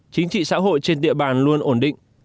chính trị xã hội trên địa bàn luôn ổn định